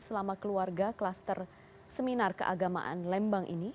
selama keluarga kluster seminar keagamaan lembang ini